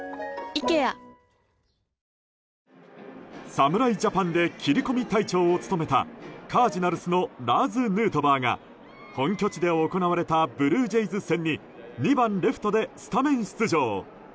侍ジャパンで切り込み隊長を務めたカージナルスのラーズ・ヌートバーが本拠地で行われたブルージェイズ戦に２番、レフトでスタメン出場。